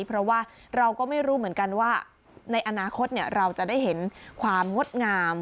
เพราะว่าเราก็ไม่รู้เหมือนกันว่าในอนาคตเราจะได้เห็นความงดงาม